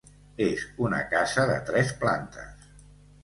És una casa de tres plantes.